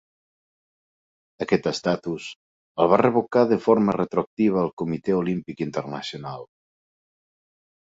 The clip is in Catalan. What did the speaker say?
Aquest estatus, el va revocar de forma retroactiva el Comitè Olímpic Internacional.